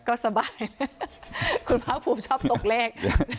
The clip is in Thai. ก็สบายคุณภาคภูมิชอบตกเลข